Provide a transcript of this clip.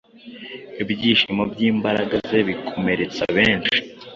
Ibyishimo byimbaraga zebikomeretsa benshi